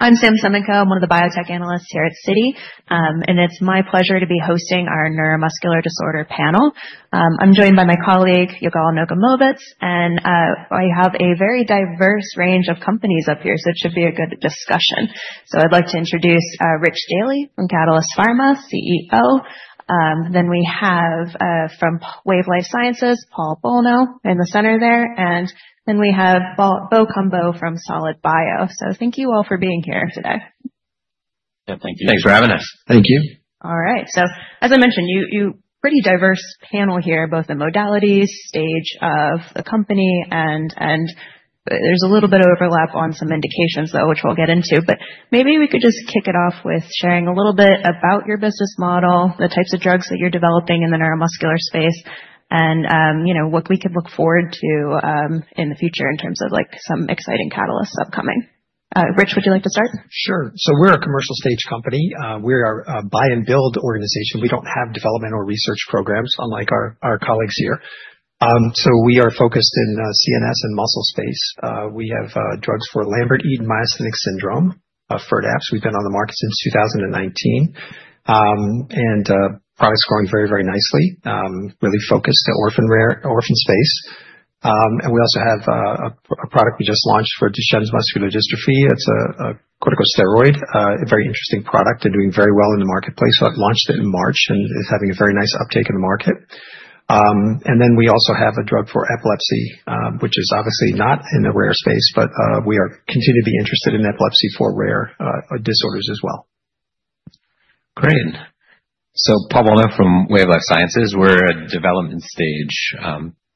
I'm Sam Slutsky, one of the biotech analysts here at Citi, and it's my pleasure to be hosting our neuromuscular disorder panel. I'm joined by my colleague, Yigal Nochomovitz, and I have a very diverse range of companies up here, so it should be a good discussion. So I'd like to introduce Rich Daly from Catalyst Pharma, CEO. Then we have from Wave Life Sciences, Paul Bolno in the center there, and then we have Bo Cumbo from Solid Bio. So thank you all for being here today. Yeah, thank you. Thanks for having us. Thank you. All right, so as I mentioned, you have a pretty diverse panel here, both the modalities, stage of the company, and there's a little bit of overlap on some indications, though, which we'll get into. But maybe we could just kick it off with sharing a little bit about your business model, the types of drugs that you're developing in the neuromuscular space, and what we could look forward to in the future in terms of some exciting catalysts upcoming. Rich, would you like to start? Sure. So we're a commercial-stage company. We're a buy-and-build organization. We don't have development or research programs, unlike our colleagues here. So we are focused in CNS and muscle space. We have drugs for Lambert-Eaton myasthenic syndrome, Firdapse. We've been on the market since 2019, and the product's growing very, very nicely, really focused on the orphan space. And we also have a product we just launched for Duchenne muscular dystrophy. It's a corticosteroid, a very interesting product, and doing very well in the marketplace. So I launched it in March and is having a very nice uptake in the market. And then we also have a drug for epilepsy, which is obviously not in the rare space, but we continue to be interested in epilepsy for rare disorders as well. Great. So Paul Bolno from Wave Life Sciences. We're a development-stage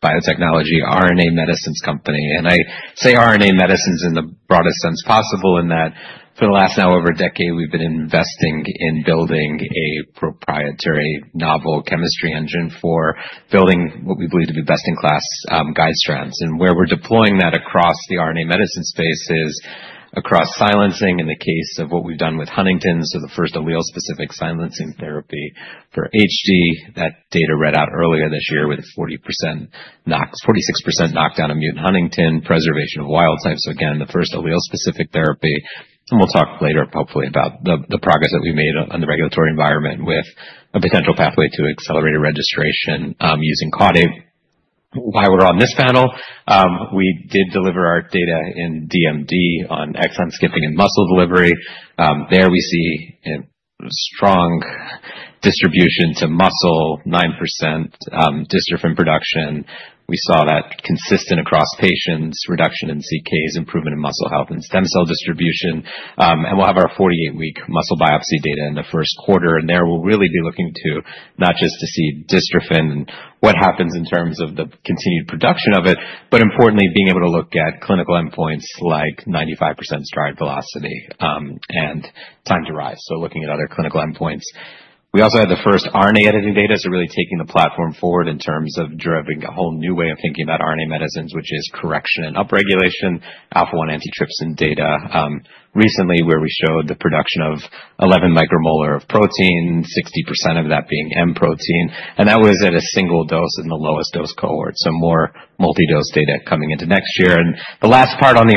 biotechnology RNA medicines company. And I say RNA medicines in the broadest sense possible in that for the last now over a decade, we've been investing in building a proprietary novel chemistry engine for building what we believe to be best-in-class guide strands. And where we're deploying that across the RNA medicine space is across silencing in the case of what we've done with Huntington's, so the first allele-specific silencing therapy for HD. That data read out earlier this year with 46% knockdown in mutant huntingtin, preservation of wild types, so again, the first allele-specific therapy. And we'll talk later, hopefully, about the progress that we made on the regulatory environment with a potential pathway to accelerated registration using cUHDRS. While we're on this panel, we did deliver our data in DMD on exon skipping and muscle delivery. There we see a strong distribution to muscle, 9% dystrophin production. We saw that consistent across patients, reduction in CKs, improvement in muscle health and stem cell distribution. And we'll have our 48-week muscle biopsy data in the first quarter. And there we'll really be looking to not just see dystrophin and what happens in terms of the continued production of it, but importantly, being able to look at clinical endpoints like 95% stride velocity and time to rise, so looking at other clinical endpoints. We also had the first RNA editing data, so really taking the platform forward in terms of driving a whole new way of thinking about RNA medicines, which is correction and upregulation, alpha-1 antitrypsin data recently where we showed the production of 11 micromolar of protein, 60% of that being M protein. And that was at a single dose in the lowest dose cohort, so more multi-dose data coming into next year. And the last part on the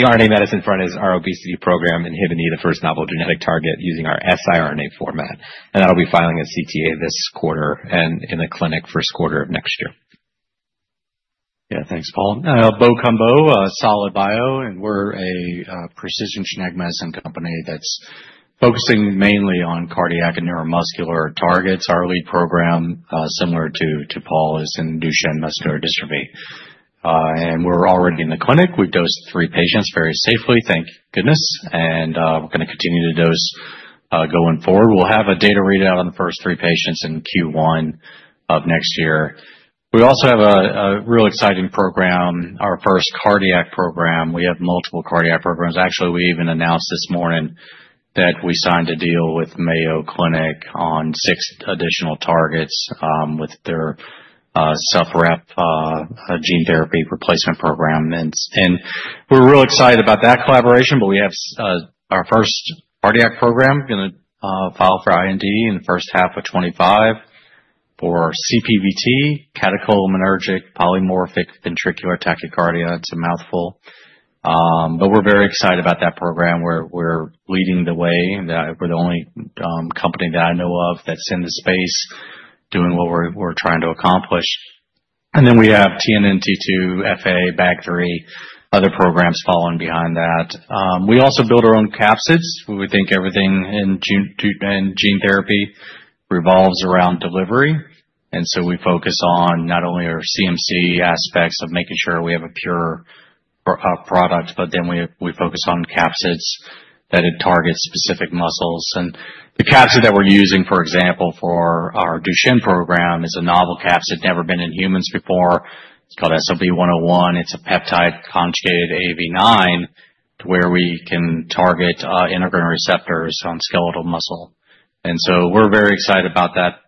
RNA medicine front is our obesity program, inhibiting the first novel genetic target using our siRNA format. And that'll be filing a CTA this quarter and in the clinic first quarter of next year. Yeah, thanks, Paul. Bo Cumbo, Solid Biosciences, and we're a precision genetic medicine company that's focusing mainly on cardiac and neuromuscular targets. Our lead program, similar to Paul, is in Duchenne muscular dystrophy. And we're already in the clinic. We dosed three patients very safely. Thank goodness. And we're going to continue to dose going forward. We'll have a data readout on the first three patients in Q1 of next year. We also have a real exciting program, our first cardiac program. We have multiple cardiac programs. Actually, we even announced this morning that we signed a deal with Mayo Clinic on six additional targets with their suppression-replacement gene therapy replacement program. And we're real excited about that collaboration, but we have our first cardiac program going to file for IND in the first half of 2025 for CPVT, catecholaminergic polymorphic ventricular tachycardia. It's a mouthful. But we're very excited about that program where we're leading the way. We're the only company that I know of that's in the space doing what we're trying to accomplish. And then we have TNNT2, FA, BAG3, other programs following behind that. We also build our own capsids. We think everything in gene therapy revolves around delivery. And so we focus on not only our CMC aspects of making sure we have a pure product, but then we focus on capsids that target specific muscles. And the capsid that we're using, for example, for our Duchenne program is a novel capsid never been in humans before. It's called SLB-101. It's a peptide conjugated AAV9 to where we can target integrin receptors on skeletal muscle. We're very excited about that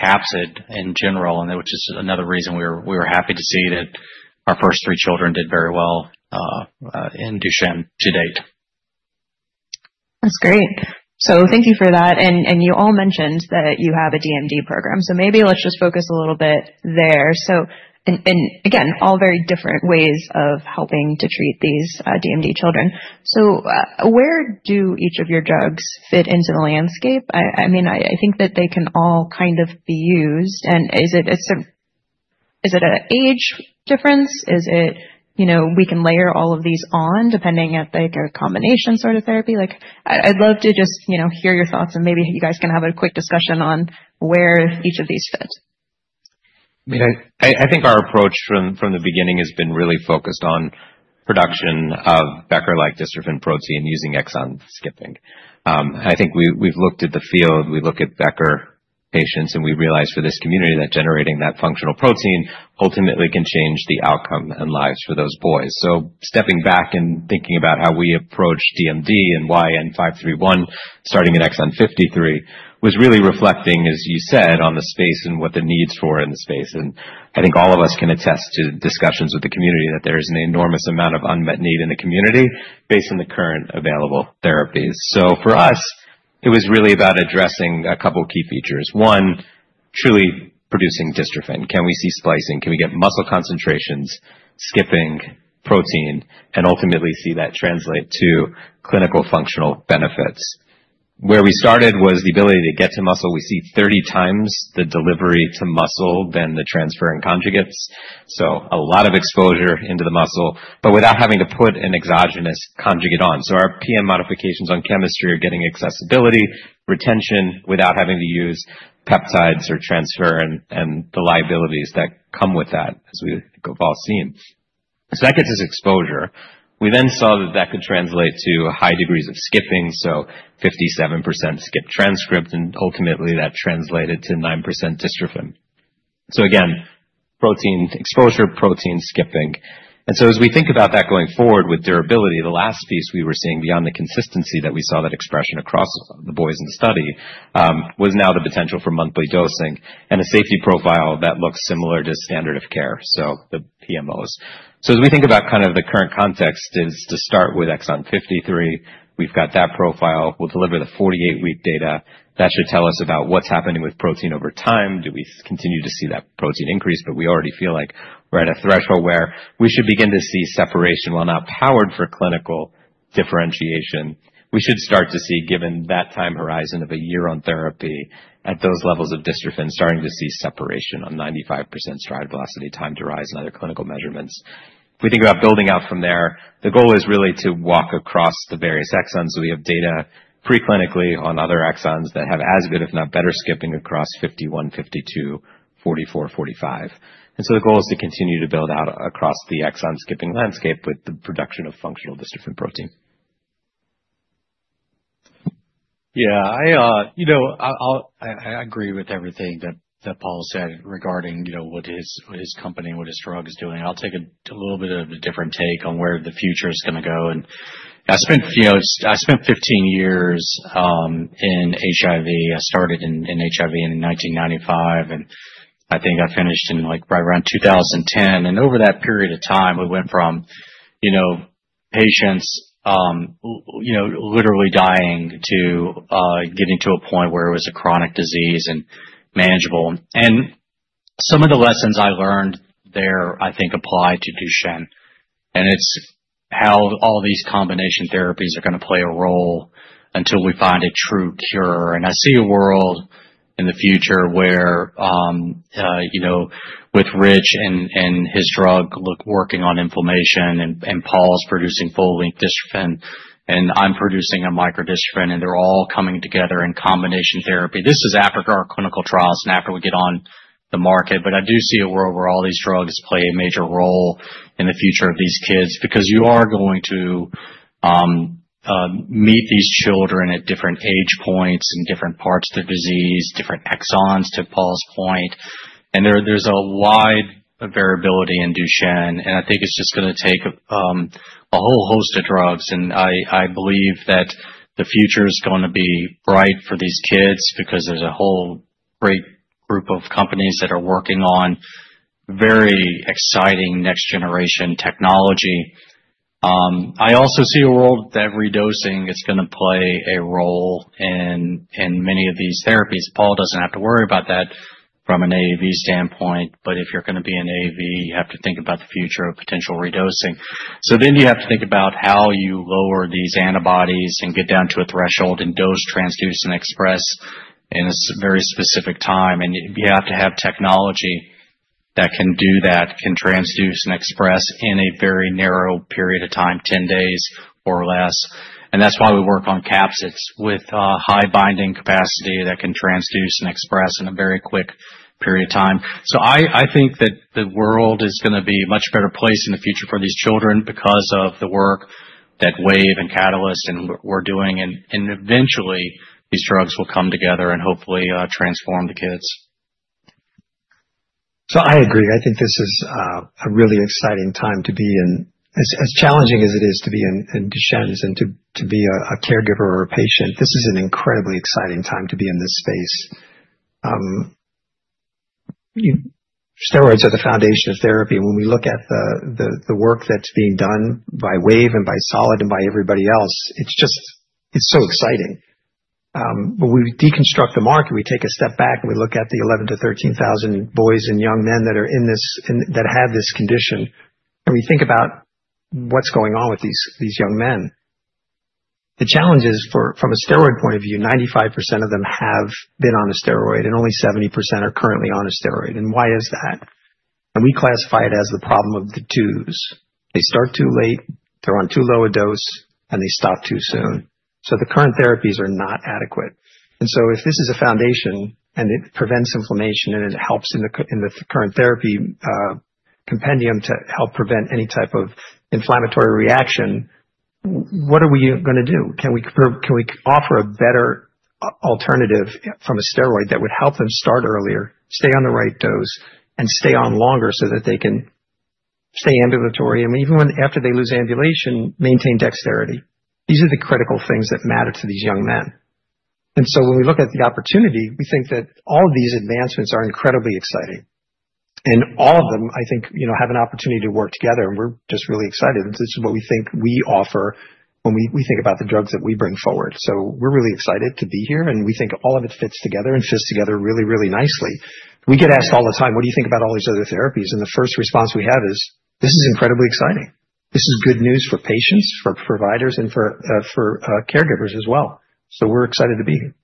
capsid in general, which is another reason we were happy to see that our first three children did very well in Duchenne to date. That's great. So thank you for that. And you all mentioned that you have a DMD program. So maybe let's just focus a little bit there. And again, all very different ways of helping to treat these DMD children. So where do each of your drugs fit into the landscape? I mean, I think that they can all kind of be used. And is it an age difference? Is it we can layer all of these on depending on a combination sort of therapy? I'd love to just hear your thoughts, and maybe you guys can have a quick discussion on where each of these fit. I mean, I think our approach from the beginning has been really focused on production of Becker-like dystrophin protein using exon skipping. I think we've looked at the field. We look at Becker patients, and we realize for this community that generating that functional protein ultimately can change the outcome and lives for those boys. Stepping back and thinking about how we approach DMD and WVE-N531, starting at exon 53, was really reflecting, as you said, on the space and what the needs for in the space. I think all of us can attest to discussions with the community that there is an enormous amount of unmet need in the community based on the current available therapies. For us, it was really about addressing a couple of key features. One, truly producing dystrophin. Can we see splicing? Can we get muscle concentrations, skipping protein, and ultimately see that translate to clinical functional benefits? Where we started was the ability to get to muscle. We see 30 times the delivery to muscle than the transferrin conjugates. So a lot of exposure into the muscle, but without having to put an exogenous conjugate on. So our PN modifications on chemistry are getting accessibility, retention without having to use peptides or transferrin and the liabilities that come with that, as we've all seen. So that gets us exposure. We then saw that that could translate to high degrees of skipping, so 57% skipped transcript, and ultimately that translated to 9% dystrophin. So again, protein exposure, protein skipping. And so as we think about that going forward with durability, the last piece we were seeing beyond the consistency that we saw that expression across the boys in the study was now the potential for monthly dosing and a safety profile that looks similar to standard of care, so the PMOs. So as we think about kind of the current context, is to start with exon 53. We've got that profile. We'll deliver the 48-week data. That should tell us about what's happening with protein over time. Do we continue to see that protein increase? But we already feel like we're at a threshold where we should begin to see separation, while not powered for clinical differentiation. We should start to see, given that time horizon of a year on therapy at those levels of dystrophin, starting to see separation on 95% stride velocity, time to rise, and other clinical measurements. If we think about building out from there, the goal is really to walk across the various exons. So we have data preclinically on other exons that have as good, if not better, skipping across 51, 52, 44, 45. And so the goal is to continue to build out across the exon skipping landscape with the production of functional dystrophin protein. Yeah, I agree with everything that Paul said regarding what his company and what his drug is doing. I'll take a little bit of a different take on where the future is going to go. And I spent 15 years in HIV. I started in HIV in 1995, and I think I finished in right around 2010. And over that period of time, we went from patients literally dying to getting to a point where it was a chronic disease and manageable. And some of the lessons I learned there, I think, apply to Duchenne. And it's how all these combination therapies are going to play a role until we find a true cure. And I see a world in the future where with Rich and his drug working on inflammation and Paul's producing full-length dystrophin, and I'm producing a microdystrophin, and they're all coming together in combination therapy. This is after our clinical trials and after we get on the market, but I do see a world where all these drugs play a major role in the future of these kids because you are going to meet these children at different age points and different parts of the disease, different exons to Paul's point, and there's a wide variability in Duchenne, and I think it's just going to take a whole host of drugs, and I believe that the future is going to be bright for these kids because there's a whole great group of companies that are working on very exciting next-generation technology. I also see a world that redosing is going to play a role in many of these therapies. Paul doesn't have to worry about that from an AAV standpoint, but if you're going to be an AAV, you have to think about the future of potential redosing, so then you have to think about how you lower these antibodies and get down to a threshold and dose, transduce, and express in a very specific time, and you have to have technology that can do that, can transduce and express in a very narrow period of time, 10 days or less, and that's why we work on capsids with high binding capacity that can transduce and express in a very quick period of time, so I think that the world is going to be a much better place in the future for these children because of the work that Wave and Catalyst and we're doing, and eventually these drugs will come together and hopefully transform the kids. I agree. I think this is a really exciting time to be, and as challenging as it is to be in Duchenne and to be a caregiver or a patient, this is an incredibly exciting time to be in this space. Steroids are the foundation of therapy. And when we look at the work that's being done by Wave and by Solid and by everybody else, it's just so exciting. When we deconstruct the market, we take a step back and we look at the 11,000-13,000 boys and young men that are in this that have this condition. And we think about what's going on with these young men. The challenge is from a steroid point of view, 95% of them have been on a steroid and only 70% are currently on a steroid. And why is that? We classify it as the problem of the twos. They start too late, they're on too low a dose, and they stop too soon. The current therapies are not adequate. If this is a foundation and it prevents inflammation and it helps in the current therapy compendium to help prevent any type of inflammatory reaction, what are we going to do? Can we offer a better alternative from a steroid that would help them start earlier, stay on the right dose, and stay on longer so that they can stay ambulatory and even after they lose ambulation, maintain dexterity? These are the critical things that matter to these young men. When we look at the opportunity, we think that all of these advancements are incredibly exciting. All of them, I think, have an opportunity to work together. We're just really excited. This is what we think we offer when we think about the drugs that we bring forward. So we're really excited to be here. And we think all of it fits together and fits together really, really nicely. We get asked all the time, "What do you think about all these other therapies?" And the first response we have is, "This is incredibly exciting. This is good news for patients, for providers, and for caregivers as well." So we're excited to be here.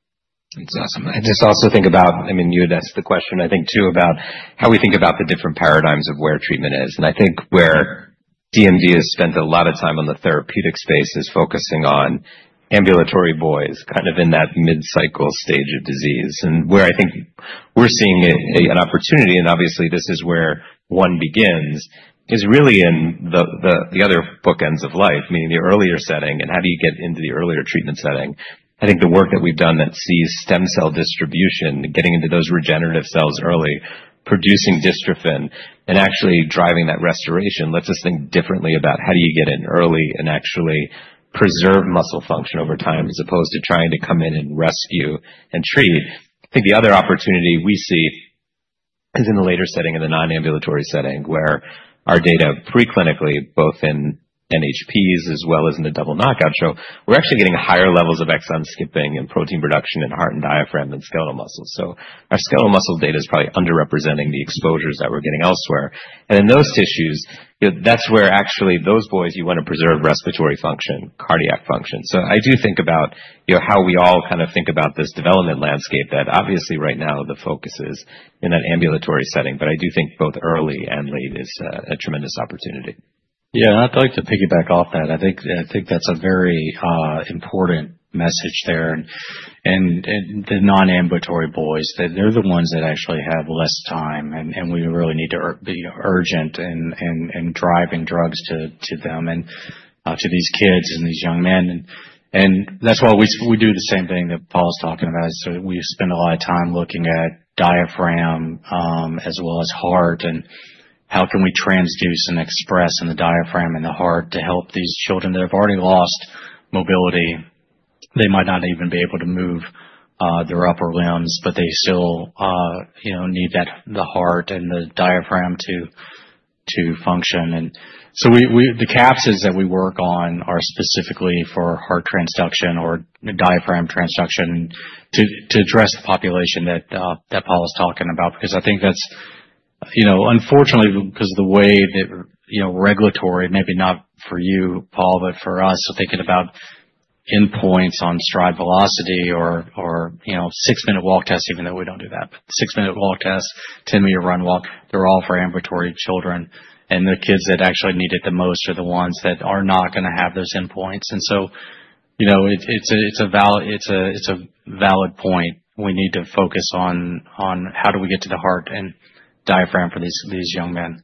That's awesome. I just also think about, I mean, you had asked the question, I think, too, about how we think about the different paradigms of where treatment is. I think where DMD has spent a lot of time on the therapeutic space is focusing on ambulatory boys kind of in that mid-cycle stage of disease. I think where we're seeing an opportunity, and obviously, this is where one begins, is really in the other bookends of life, meaning the earlier setting and how do you get into the earlier treatment setting. I think the work that we've done that sees stem cell distribution, getting into those regenerative cells early, producing dystrophin, and actually driving that restoration lets us think differently about how do you get in early and actually preserve muscle function over time as opposed to trying to come in and rescue and treat. I think the other opportunity we see is in the later setting, in the non-ambulatory setting, where our data preclinically, both in NHPs as well as in the double knockout, show we're actually getting higher levels of exon skipping and protein production in heart and diaphragm and skeletal muscles, so our skeletal muscle data is probably underrepresenting the exposures that we're getting elsewhere, and in those tissues, that's where actually those boys you want to preserve respiratory function, cardiac function, so I do think about how we all kind of think about this development landscape that obviously right now the focus is in that ambulatory setting, but I do think both early and late is a tremendous opportunity. Yeah, I'd like to piggyback off that. I think that's a very important message there. And the non-ambulatory boys, they're the ones that actually have less time. And we really need to be urgent in driving drugs to them and to these kids and these young men. And that's why we do the same thing that Paul's talking about. So we spend a lot of time looking at diaphragm as well as heart and how can we transduce and express in the diaphragm and the heart to help these children that have already lost mobility. They might not even be able to move their upper limbs, but they still need the heart and the diaphragm to function. And so the capsids that we work on are specifically for heart transduction or diaphragm transduction to address the population that Paul is talking about because I think that's unfortunately because of the way that regulatory, maybe not for you, Paul, but for us, thinking about endpoints on stride velocity or six-minute walk test, even though we don't do that, but six-minute walk test, 10-meter run walk, they're all for ambulatory children. And the kids that actually need it the most are the ones that are not going to have those endpoints. And so it's a valid point. We need to focus on how do we get to the heart and diaphragm for these young men.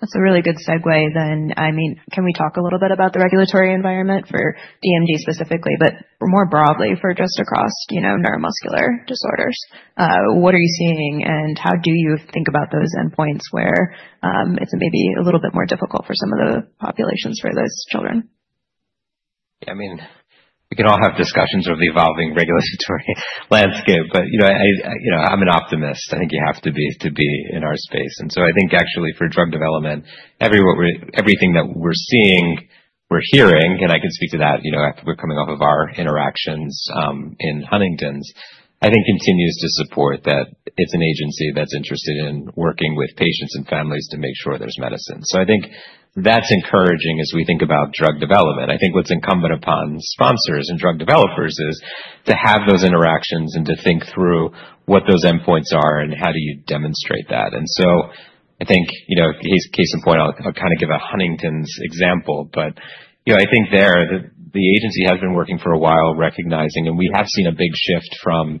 That's a really good segue then. I mean, can we talk a little bit about the regulatory environment for DMD specifically, but more broadly for just across neuromuscular disorders? What are you seeing and how do you think about those endpoints where it's maybe a little bit more difficult for some of the populations for those children? Yeah, I mean, we can all have discussions of the evolving regulatory landscape, but I'm an optimist. I think you have to be in our space. And so I think actually for drug development, everything that we're seeing, we're hearing, and I can speak to that after we're coming off of our interactions in Huntington's, I think continues to support that it's an agency that's interested in working with patients and families to make sure there's medicine. So I think that's encouraging as we think about drug development. I think what's incumbent upon sponsors and drug developers is to have those interactions and to think through what those endpoints are and how do you demonstrate that. And so I think case in point. I'll kind of give a Huntington's example, but I think there the agency has been working for a while recognizing, and we have seen a big shift from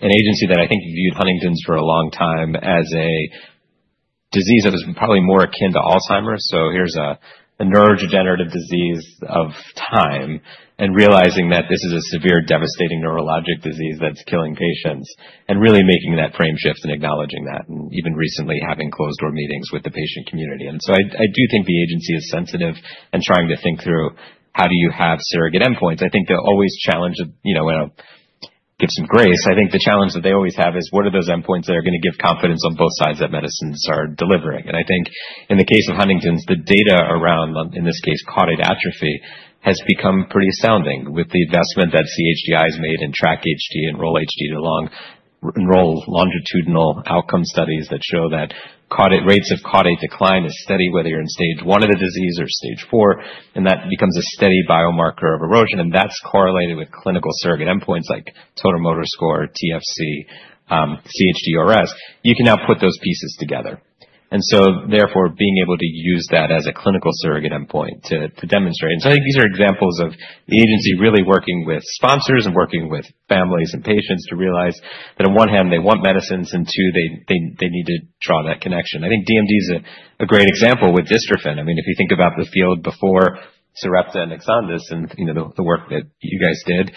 an agency that I think viewed Huntington's for a long time as a disease that was probably more akin to Alzheimer's. So here's a neurodegenerative disease over time and realizing that this is a severe, devastating neurologic disease that's killing patients and really making that frame shift and acknowledging that and even recently having closed-door meetings with the patient community. And so I do think the agency is sensitive and trying to think through how do you have surrogate endpoints. I think the age-old challenge when I give some grace. I think the challenge that they always have is what are those endpoints that are going to give confidence on both sides that medicines are delivering? And I think in the case of Huntington's, the data around, in this case, caudate atrophy has become pretty astounding with the investment that CHDI has made in Track-HD and Enroll-HD, two longitudinal outcome studies that show that rates of caudate decline is steady whether you're in stage one of the disease or stage four, and that becomes a steady biomarker of erosion. And that's correlated with clinical surrogate endpoints like total motor score, TFC, cUHDRS. You can now put those pieces together. And so therefore, being able to use that as a clinical surrogate endpoint to demonstrate. And so I think these are examples of the agency really working with sponsors and working with families and patients to realize that on one hand, they want medicines and too, they need to draw that connection. I think DMD is a great example with dystrophin. I mean, if you think about the field before Sarepta and Exondys and the work that you guys did,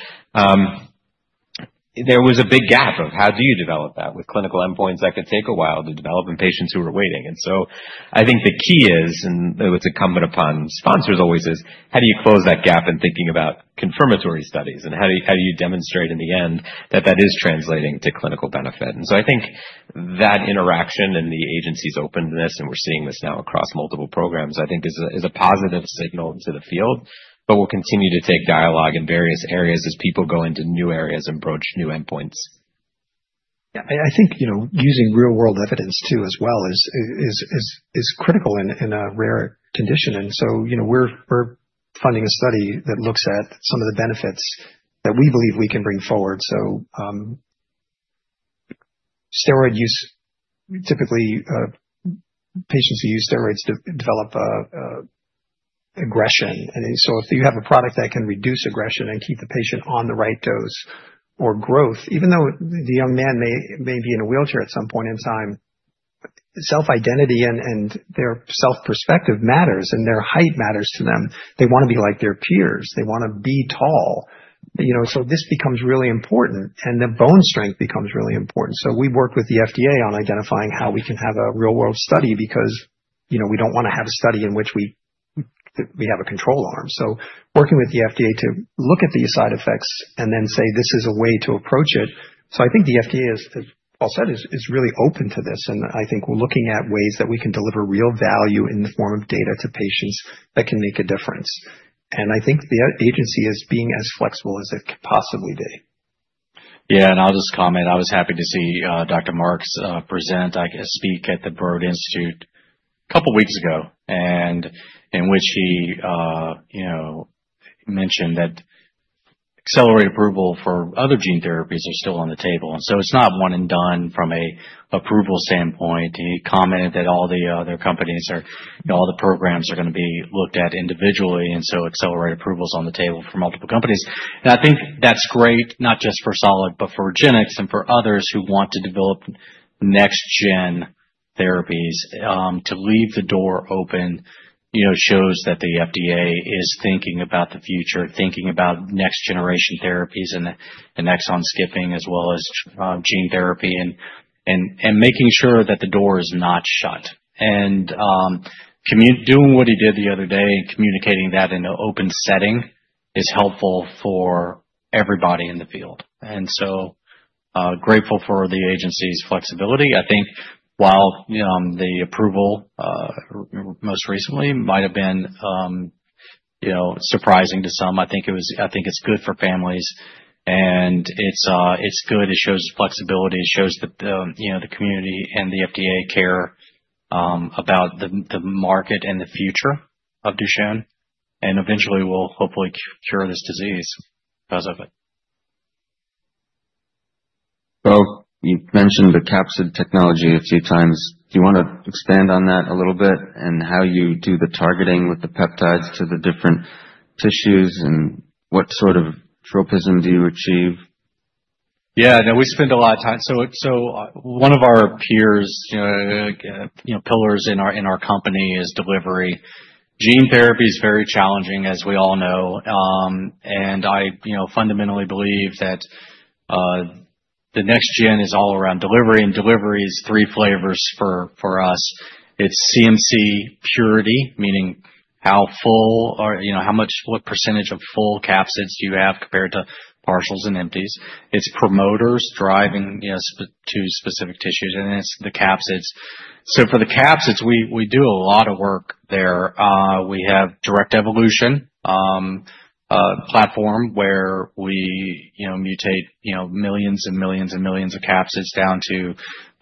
there was a big gap of how do you develop that with clinical endpoints that could take a while to develop in patients who are waiting. And so I think the key is, and it's incumbent upon sponsors always, is how do you close that gap in thinking about confirmatory studies and how do you demonstrate in the end that that is translating to clinical benefit? And so I think that interaction and the agency's openness, and we're seeing this now across multiple programs, I think is a positive signal to the field, but we'll continue to take dialogue in various areas as people go into new areas and broach new endpoints. Yeah, I think using real-world evidence too as well is critical in a rare condition. And so we're funding a study that looks at some of the benefits that we believe we can bring forward. So steroid use, typically patients who use steroids develop aggression. And so if you have a product that can reduce aggression and keep the patient on the right dose or growth, even though the young man may be in a wheelchair at some point in time, self-identity and their self-perspective matters and their height matters to them. They want to be like their peers. They want to be tall. So this becomes really important and the bone strength becomes really important. So we work with the FDA on identifying how we can have a real-world study because we don't want to have a study in which we have a control arm. So working with the FDA to look at these side effects and then say, "This is a way to approach it." So I think the FDA, as Paul said, is really open to this. And I think we're looking at ways that we can deliver real value in the form of data to patients that can make a difference. And I think the agency is being as flexible as it can possibly be. Yeah, and I'll just comment. I was happy to see Dr. Marks present, I guess, speak at the Broad Institute a couple of weeks ago in which he mentioned that accelerated approval for other gene therapies are still on the table. And so it's not one and done from an approval standpoint. He commented that all the other companies or all the programs are going to be looked at individually. And so accelerated approval is on the table for multiple companies. And I think that's great, not just for Solid, but for GenX and for others who want to develop next-gen therapies to leave the door open. It shows that the FDA is thinking about the future, thinking about next-generation therapies and exon skipping as well as gene therapy and making sure that the door is not shut. And doing what he did the other day and communicating that in an open setting is helpful for everybody in the field. And so grateful for the agency's flexibility. I think while the approval most recently might have been surprising to some, I think it's good for families. And it's good. It shows flexibility. It shows that the community and the FDA care about the market and the future of Duchenne and eventually will hopefully cure this disease because of it. You've mentioned the capsid technology a few times. Do you want to expand on that a little bit and how you do the targeting with the peptides to the different tissues and what sort of tropism do you achieve? Yeah, no, we spend a lot of time so one of our pillars in our company is delivery. Gene therapy is very challenging, as we all know and I fundamentally believe that the next gen is all around delivery and delivery is three flavors for us. It's CMC purity, meaning how full or what percentage of full capsids do you have compared to partials and empties. It's promoters driving to specific tissues and then it's the capsids so for the capsids, we do a lot of work there. We have directed evolution platform where we mutate millions and millions and millions of capsids down to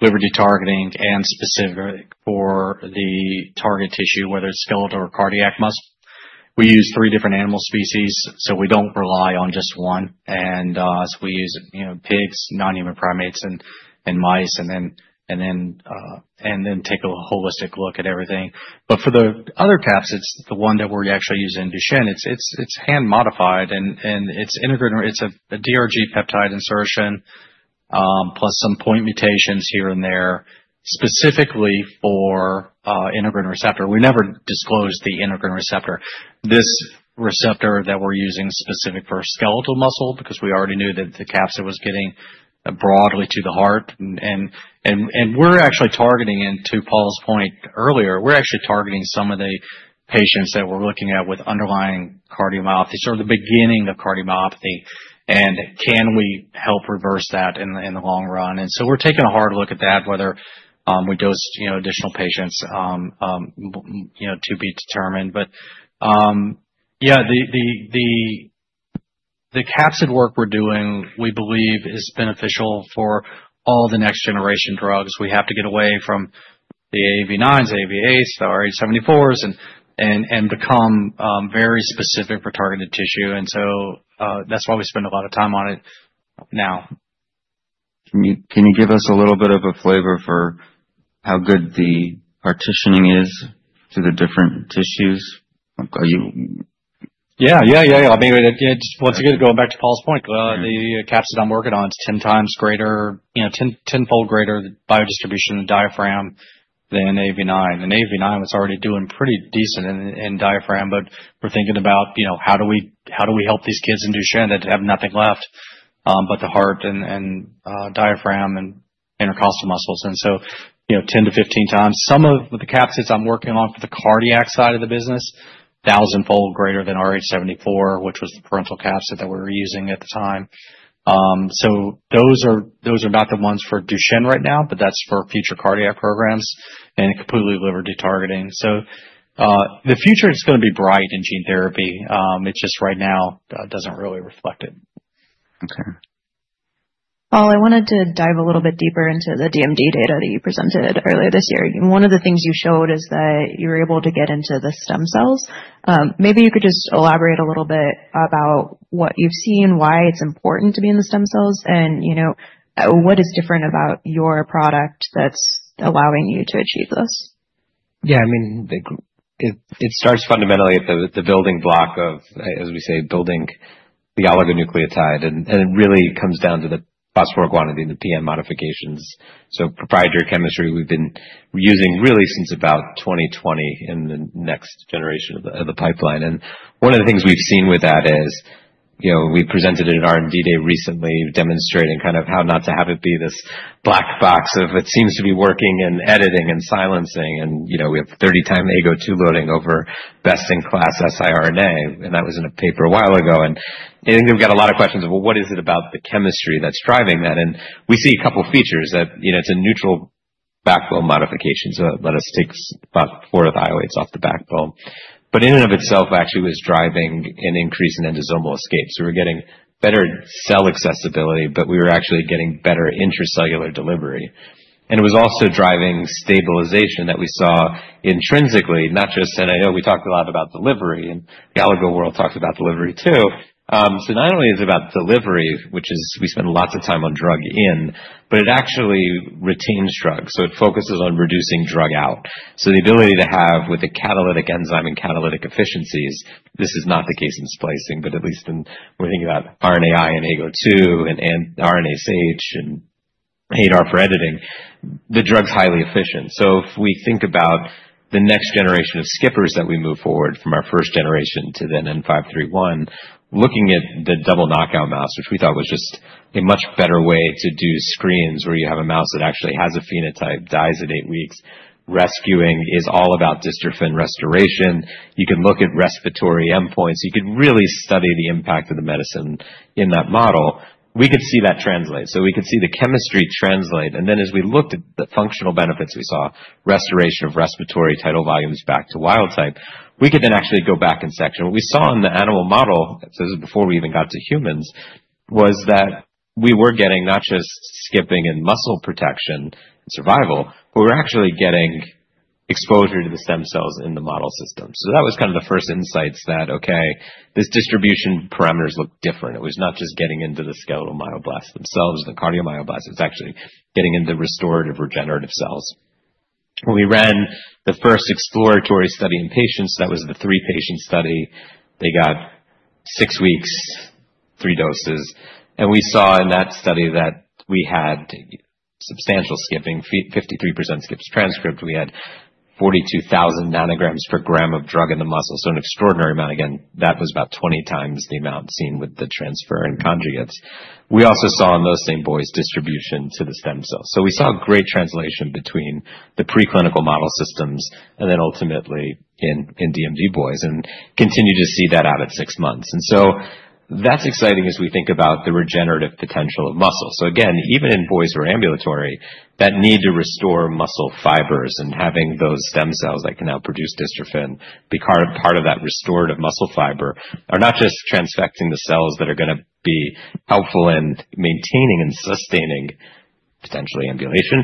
liver de-targeting and specific for the target tissue, whether it's skeletal or cardiac muscle we use three different animal species, so we don't rely on just one and so we use pigs, non-human primates, and mice, and then take a holistic look at everything. But for the other capsids, the one that we're actually using in Duchenne, it's hand-modified and it's integrated. It's a RGD peptide insertion plus some point mutations here and there specifically for integrin receptor. We never disclosed the integrin receptor. This receptor that we're using is specific for skeletal muscle because we already knew that the capsid was getting broadly to the heart. And we're actually targeting, and to Paul's point earlier, we're actually targeting some of the patients that we're looking at with underlying cardiomyopathy or the beginning of cardiomyopathy. And can we help reverse that in the long run? And so we're taking a hard look at that, whether we dose additional patients to be determined. But yeah, the capsid work we're doing, we believe, is beneficial for all the next-generation drugs. We have to get away from the AAV9s, AAV8s, the rh74s, and become very specific for targeted tissue, and so that's why we spend a lot of time on it now. Can you give us a little bit of a flavor for how good the partitioning is to the different tissues? Yeah, yeah, yeah, yeah. I mean, once again, going back to Paul's point, the capsid I'm working on is 10 times greater, 10-fold greater biodistribution in the diaphragm than AAV9. And AAV9 was already doing pretty decent in diaphragm, but we're thinking about how do we help these kids in Duchenne that have nothing left but the heart and diaphragm and intercostal muscles. And so 10-15 times. Some of the capsids I'm working on for the cardiac side of the business, thousand-fold greater than rh74, which was the parental capsid that we were using at the time. So those are not the ones for Duchenne right now, but that's for future cardiac programs and completely liberty targeting. So the future is going to be bright in gene therapy. It's just right now doesn't really reflect it. Okay. Paul, I wanted to dive a little bit deeper into the DMD data that you presented earlier this year. One of the things you showed is that you were able to get into the stem cells. Maybe you could just elaborate a little bit about what you've seen, why it's important to be in the stem cells, and what is different about your product that's allowing you to achieve this? Yeah, I mean, it starts fundamentally at the building block of, as we say, building the oligonucleotide. And it really comes down to the phosphoryl guanidine and the PN modifications. So proprietary chemistry, we've been using really since about 2020 in the next generation of the pipeline. And one of the things we've seen with that is we presented at R&D Day recently demonstrating kind of how not to have it be this black box of it seems to be working and editing and silencing. And we have 30 times AGO2 loading over best-in-class siRNA. And that was in a paper a while ago. And I think we've got a lot of questions of, well, what is it about the chemistry that's driving that? And we see a couple of features that it's a neutral backbone modification. So let us take four of the thiols off the backbone. But in and of itself, actually, it was driving an increase in endosomal escape. So we're getting better cell accessibility, but we were actually getting better intracellular delivery. And it was also driving stabilization that we saw intrinsically, not just, and I know we talked a lot about delivery and the oligo world talked about delivery too. So not only is it about delivery, which is we spend lots of time on drug in, but it actually retains drugs. So it focuses on reducing drug out. So the ability to have with the catalytic enzyme and catalytic efficiencies, this is not the case in splicing, but at least when we're thinking about RNAi and AGO2 and RNase H and ADAR for editing, the drug's highly efficient. So if we think about the next generation of skippers that we move forward from our first generation to then N531, looking at the double knockout mouse, which we thought was just a much better way to do screens where you have a mouse that actually has a phenotype, dies at eight weeks, rescuing is all about dystrophin restoration. You can look at respiratory endpoints. You could really study the impact of the medicine in that model. We could see that translate, so we could see the chemistry translate, and then as we looked at the functional benefits, we saw restoration of respiratory tidal volumes back to wild type. We could then actually go back in section. What we saw in the animal model, so this is before we even got to humans, was that we were getting not just skipping and muscle protection and survival, but we were actually getting exposure to the stem cells in the model system. That was kind of the first insights that, okay, these distribution parameters look different. It was not just getting into the skeletal myoblasts themselves and the cardiomyoblasts. It was actually getting into restorative regenerative cells. When we ran the first exploratory study in patients, that was the three-patient study. They got six weeks, three doses. And we saw in that study that we had substantial skipping, 53% skipped transcript. We had 42,000 nanograms per gram of drug in the muscle. So an extraordinary amount. Again, that was about 20 times the amount seen with the transferrin and conjugates. We also saw in those same boys distribution to the stem cells. So we saw great translation between the preclinical model systems and then ultimately in DMD boys and continue to see that out at six months. That's exciting as we think about the regenerative potential of muscle. Again, even in boys who are ambulatory, that need to restore muscle fibers and having those stem cells that can now produce dystrophin be part of that restorative muscle fiber are not just transfecting the cells that are going to be helpful in maintaining and sustaining potentially ambulation.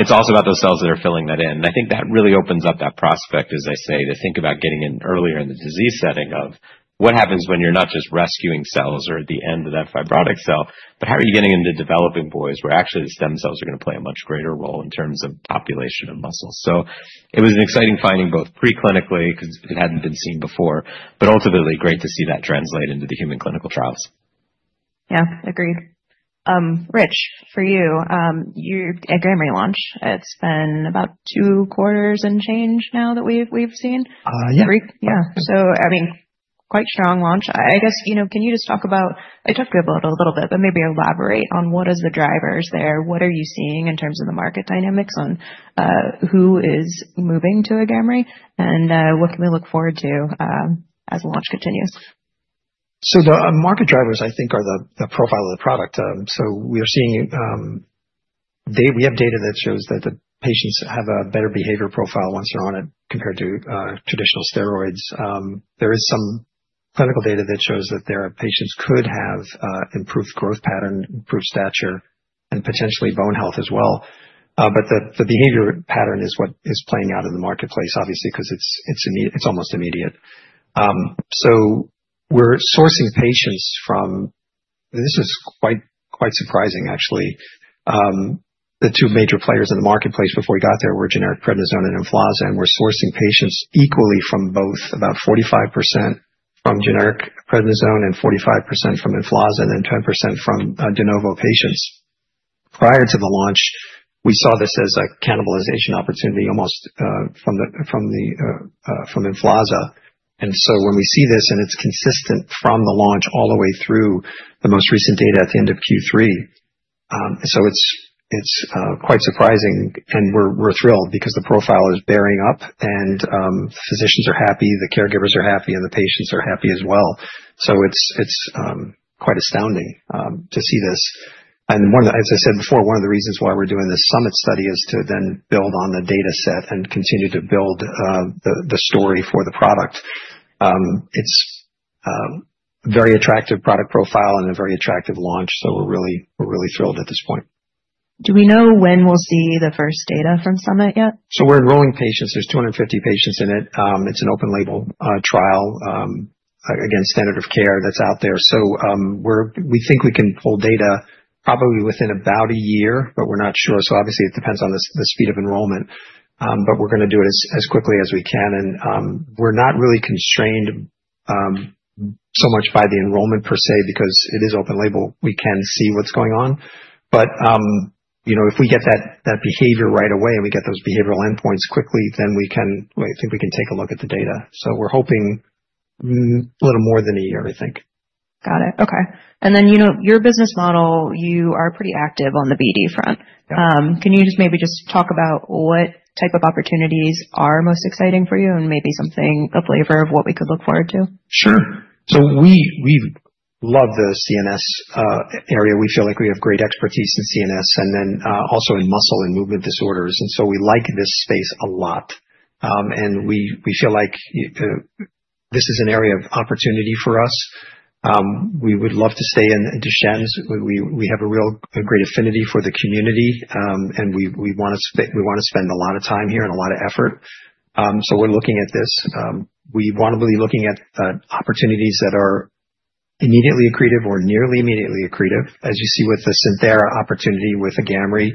It's also about those cells that are filling that in. I think that really opens up that prospect, as I say, to think about getting in earlier in the disease setting of what happens when you're not just rescuing cells or at the end of that fibrotic cell, but how are you getting into developing boys where actually the stem cells are going to play a much greater role in terms of population of muscle. It was an exciting finding both preclinically because it hadn't been seen before, but ultimately great to see that translate into the human clinical trials. Yeah, agreed. Rich, for you, you had a grand re-launch. It's been about two quarters and change now that we've seen. Yeah. Yeah. So I mean, quite strong launch. I guess, can you just talk about, I talked about it a little bit, but maybe elaborate on what are the drivers there? What are you seeing in terms of the market dynamics on who is moving to Agamree? And what can we look forward to as launch continues? The market drivers, I think, are the profile of the product. We are seeing we have data that shows that the patients have a better behavior profile once they're on it compared to traditional steroids. There is some clinical data that shows that there are patients who could have improved growth pattern, improved stature, and potentially bone health as well. But the behavior pattern is what is playing out in the marketplace, obviously, because it's almost immediate. We're sourcing patients from, this is quite surprising, actually. The two major players in the marketplace before we got there were generic prednisone and Emflaza. And we're sourcing patients equally from both, about 45% from generic prednisone and 45% from Emflaza and then 10% from de novo patients. Prior to the launch, we saw this as a cannibalization opportunity almost from Emflaza. And so when we see this and it's consistent from the launch all the way through the most recent data at the end of Q3. So it's quite surprising. And we're thrilled because the profile is bearing up and the physicians are happy, the caregivers are happy, and the patients are happy as well. So it's quite astounding to see this. And as I said before, one of the reasons why we're doing this SUMMIT study is to then build on the data set and continue to build the story for the product. It's a very attractive product profile and a very attractive launch. So we're really thrilled at this point. Do we know when we'll see the first data from Summit yet? So we're enrolling patients. There are 250 patients in it. It's an open-label trial against standard of care that's out there. So we think we can pull data probably within about a year, but we're not sure. So obviously, it depends on the speed of enrollment. But we're going to do it as quickly as we can. And we're not really constrained so much by the enrollment per se because it is open-label. We can see what's going on. But if we get that behavior right away and we get those behavioral endpoints quickly, then we can, I think we can take a look at the data. So we're hoping a little more than a year, I think. Got it. Okay. And then your business model, you are pretty active on the BD front. Can you just maybe talk about what type of opportunities are most exciting for you and maybe something, a flavor of what we could look forward to? Sure. So we love the CNS area. We feel like we have great expertise in CNS and then also in muscle and movement disorders. And so we like this space a lot. And we feel like this is an area of opportunity for us. We would love to stay in Duchenne's. We have a real great affinity for the community, and we want to spend a lot of time here and a lot of effort. So we're looking at this. We want to be looking at opportunities that are immediately accretive or nearly immediately accretive. As you see with the Santhera opportunity with Agamree,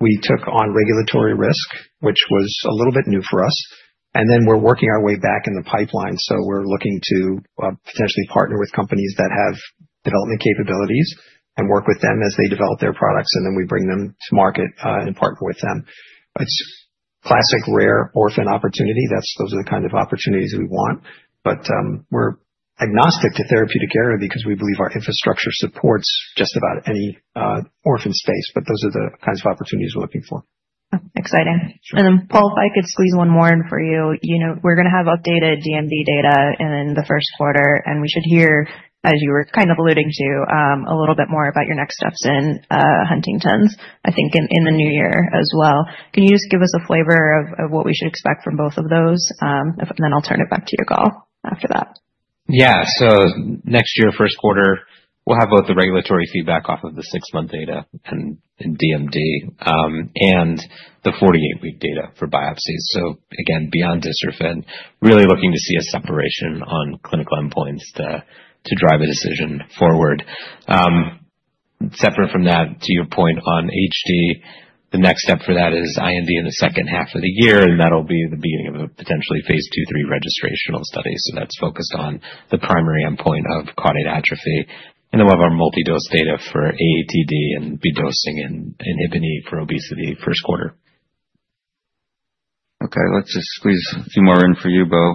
we took on regulatory risk, which was a little bit new for us. And then we're working our way back in the pipeline. So we're looking to potentially partner with companies that have development capabilities and work with them as they develop their products. And then we bring them to market and partner with them. It's classic rare orphan opportunity. Those are the kind of opportunities we want. But we're agnostic to therapeutic area because we believe our infrastructure supports just about any orphan space. But those are the kinds of opportunities we're looking for. Exciting. And then Paul, if I could squeeze one more in for you. We're going to have updated DMD data in the first quarter. And we should hear, as you were kind of alluding to, a little bit more about your next steps in Huntington's, I think, in the new year as well. Can you just give us a flavor of what we should expect from both of those? And then I'll turn it back to you, Yigal, after that. Yeah. So next year, first quarter, we'll have both the regulatory feedback off of the six-month data and DMD and the 48-week data for biopsies. So again, beyond dystrophin, really looking to see a separation on clinical endpoints to drive a decision forward. Separate from that, to your point on HD, the next step for that is IND in the second half of the year. And that'll be the beginning of a potentially phase two, three registrational study. So that's focused on the primary endpoint of caudate atrophy. And then we'll have our multi-dose data for AATD and be dosing and inhibiting for obesity first quarter. Okay. Let's just squeeze a few more in for you, Bo.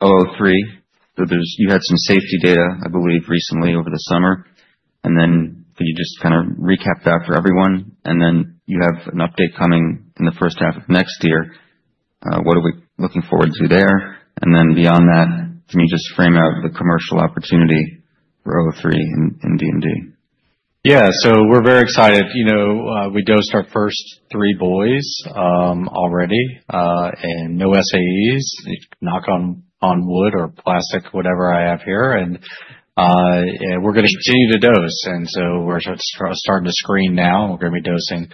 003. So you had some safety data, I believe, recently over the summer. And then could you just kind of recap that for everyone? And then you have an update coming in the first half of next year. What are we looking forward to there? And then beyond that, can you just frame out the commercial opportunity for 003 in DMD? Yeah. So we're very excited. We dosed our first three boys already and no SAEs, knock on wood or plastic, whatever I have here. And we're going to continue to dose. And so we're starting to screen now. We're going to be dosing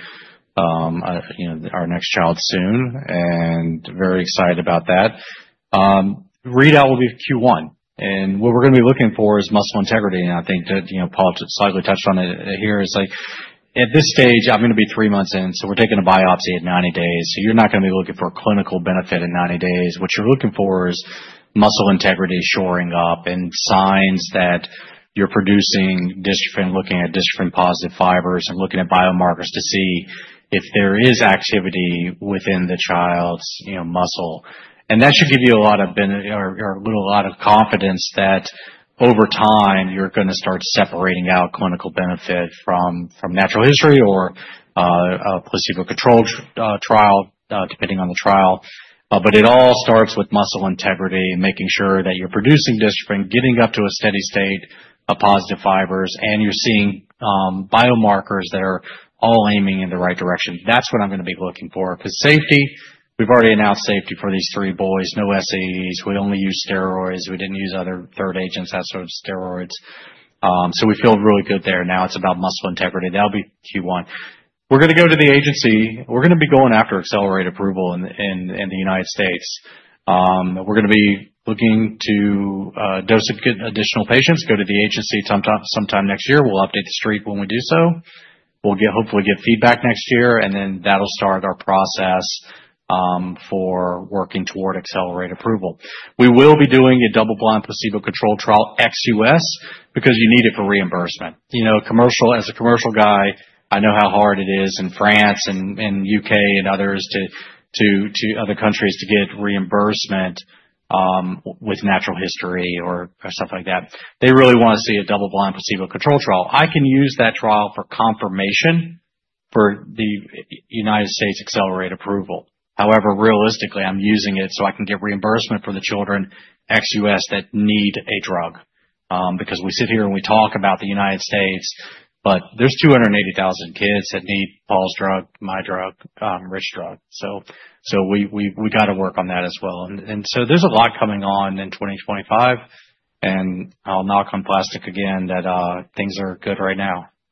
our next child soon and very excited about that. Readout will be Q1. And what we're going to be looking for is muscle integrity. And I think that Paul slightly touched on it here. It's like at this stage, I'm going to be three months in. So we're taking a biopsy at 90 days. So you're not going to be looking for clinical benefit at 90 days. What you're looking for is muscle integrity shoring up and signs that you're producing dystrophin, looking at dystrophin-positive fibers and looking at biomarkers to see if there is activity within the child's muscle. That should give you a lot of or a little lot of confidence that over time, you're going to start separating out clinical benefit from natural history or a placebo-controlled trial, depending on the trial. But it all starts with muscle integrity and making sure that you're producing dystrophin, getting up to a steady state of positive fibers, and you're seeing biomarkers that are all aiming in the right direction. That's what I'm going to be looking for. Because safety, we've already announced safety for these three boys. No SAEs. We only use steroids. We didn't use other third agents, that sort of steroids. So we feel really good there. Now it's about muscle integrity. That'll be Q1. We're going to go to the agency. We're going to be going after accelerated approval in the United States. We're going to be looking to dose additional patients, go to the agency sometime next year. We'll update the street when we do so. We'll hopefully get feedback next year, and then that'll start our process for working toward accelerated approval. We will be doing a double-blind placebo-controlled trial ex-U.S., because you need it for reimbursement. As a commercial guy, I know how hard it is in France and UK and other countries to get reimbursement with natural history or stuff like that. They really want to see a double-blind placebo-controlled trial. I can use that trial for confirmation for the United States accelerated approval. However, realistically, I'm using it so I can get reimbursement for the children ex-U.S. that need a drug. Because we sit here and we talk about the United States, but there's 280,000 kids that need Paul's drug, my drug, Rich's drug. So we got to work on that as well. And so there's a lot coming on in 2025. And I'll knock on plastic again that things are good right now.